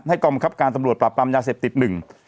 กองบังคับการตำรวจปราบปรามยาเสพติดหนึ่ง